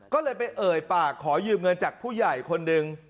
ก็เลยไปเอ่ยปากขอยืมเงินจากผู้ใหญ่คนหนึ่ง